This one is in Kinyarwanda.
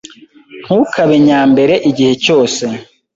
Ntukabe nyambere igihe cyose